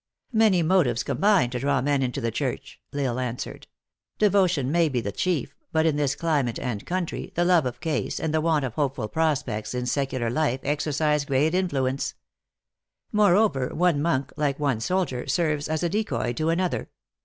" Many motives combine to draw men into the church," L Isle answered. "Devotion may be the chief; but, in this climate and country, the love of ease, and the want of hopeful prospects in secular THE ACTRESS IN HIGH LIFE. 167 life, exercise great influence. Moreover, one monk, like one soldier, serves as a decoy to another.